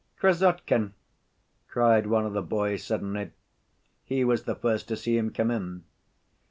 "Krassotkin!" cried one of the boys suddenly. He was the first to see him come in.